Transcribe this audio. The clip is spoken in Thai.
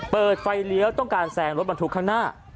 เปิดไฟเลี้ยวต้องการแซงรถบรรทุกข้างหน้า